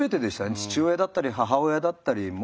父親だったり母親だったり。